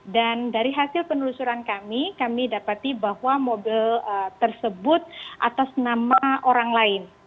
dari hasil penelusuran kami kami dapati bahwa mobil tersebut atas nama orang lain